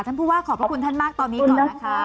ท่านผู้ว่าขอบพระคุณท่านมากตอนนี้ก่อนนะคะ